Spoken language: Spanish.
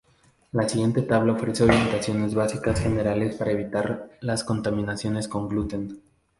La siguiente tabla ofrece orientaciones básicas generales para evitar las contaminaciones con gluten.